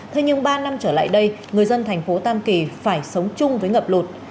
thế nhưng ba năm trở lại đây người dân thành phố tam kỳ phải sống chung với ngập lụt